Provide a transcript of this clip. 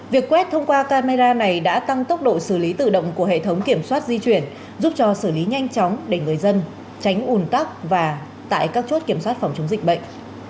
việc quét thông qua camera này đã tăng tốc độ xử lý tự động của hệ thống kiểm soát di chuyển giúp cho xử lý nhanh chóng để người dân tránh ủn tắc và tại các chốt kiểm soát phòng chống dịch bệnh